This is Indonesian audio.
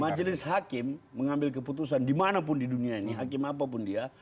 majelis hakim mengambil keputusan dimanapun di dunia ini hakim apapun dia